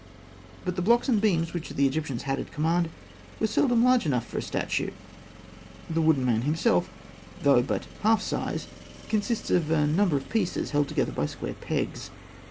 But the blocks and beams which the Egyptians had at command were seldom large enough for a statue. The Wooden Man himself, though but half life size, consists of a number of pieces held together by square pegs.